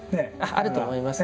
あると思います。